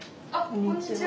こんにちは。